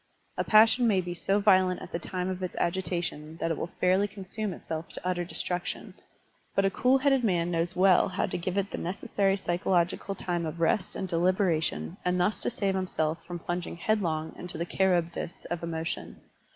A passion may be so violent at the time of its agitation that it will fairly consvime itself to utter destruc tion, but a cool headed man knows well how to give it the necessary psychological time of rest and deliberation and thus to save himself from plunging headlong into the Charybdis of emotion.